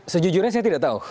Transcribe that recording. sejujurnya saya tidak tahu